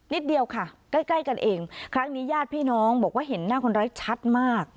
เดียวค่ะใกล้ใกล้กันเองครั้งนี้ญาติพี่น้องบอกว่าเห็นหน้าคนร้ายชัดมาก